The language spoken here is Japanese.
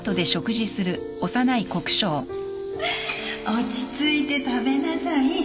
落ち着いて食べなさい